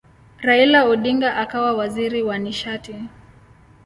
Raila Odinga akawa waziri wa nishati.